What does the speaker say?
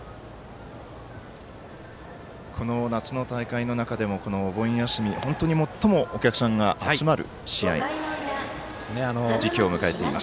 この夏の大会の中でも、お盆休み本当に最もお客さんが集まる時期を迎えています。